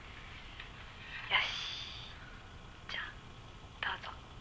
よしじゃあどうぞ。